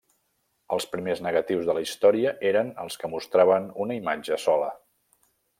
Els primers negatius de la història eren els que mostraven una imatge sola.